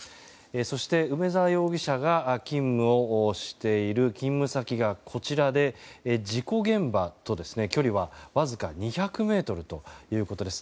そして、梅沢容疑者が勤務をしている勤務先がこちらで事故現場との距離はわずか２００ｍということです。